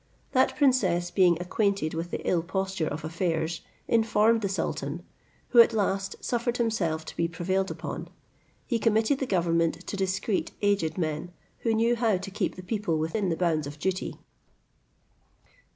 That princess being acquainted with the ill posture of affairs, informed the sultan, who at last suffered himself to be prevailed upon. He committed the government to discreet aged men, who knew how to keep the people within the bounds of duty.